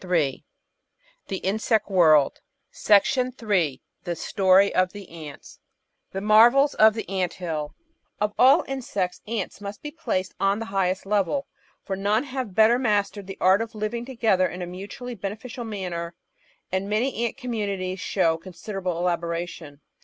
516 The Outline of Science § 3 THE STORY OF ANTS The Marvels of the Ant hill Of all insects, Ants must be placed on the highest level, for none have better mastered the art of living together in a mutually beneficial manner, and many ant commimities show considerable elaboration.